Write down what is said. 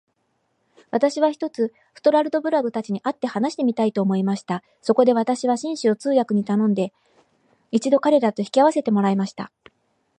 私は、ひとつストラルドブラグたちに会って話してみたいと思いました。そこで私は、紳士を通訳に頼んで、一度彼等と引き合せてもらいました。